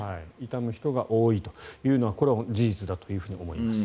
悼む人が多いというのは事実だと思います。